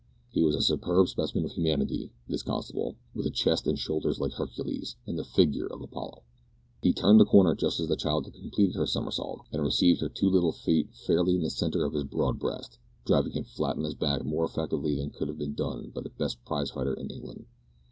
He was a superb specimen of humanity, this constable, with a chest and shoulders like Hercules, and the figure of Apollo. He turned the corner just as the child had completed her somersault, and received her two little feet fairly in the centre of his broad breast, driving him flat on his back more effectively than could have been done by the best prize fighter in England!